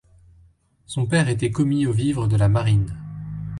Son père était commis aux vivres de la marine.